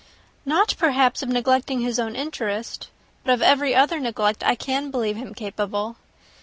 "Not perhaps of neglecting his own interest. But of every other neglect I can believe him capable.